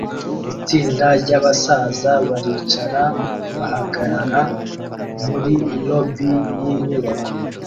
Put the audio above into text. Itsinda ryabasaza baricara bahagarara muri lobby yinyubako